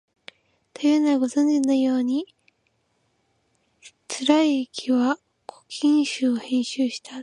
というのは、ご存じのように、貫之は「古今集」を編集したあと、